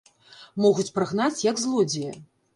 Могуць прагнаць як злодзея.